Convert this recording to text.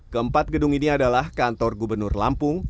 keempat gedung ini adalah kantor gubernur lampung